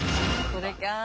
これか。